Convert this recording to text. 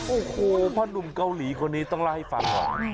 โอ้โหผ้านุ่มเกาหลีคนนี้ต้องลาให้ฟัง